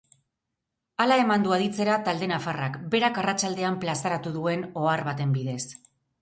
Hala eman du aditzera talde nafarrak berak arratsaldean plazaratu duen ohar baten bidez.